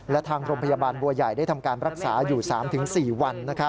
และทางโรงพยาบาลบัวใหญ่ได้ทำการรักษาอยู่๓๔วัน